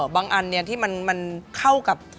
บางอันเนี้ยที่มันเข้ากับ